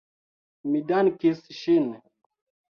Mi dankis ŝin.